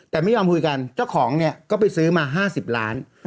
แต่ไม่ยอมคุยกันเจ้าของเนี่ยก็ไปซื้อมา๕๐ล้าน